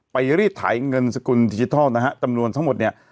รีดไถเงินสกุลดิจิทัลนะฮะจำนวนทั้งหมดเนี่ย